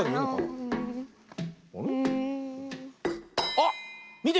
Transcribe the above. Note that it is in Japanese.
あっ！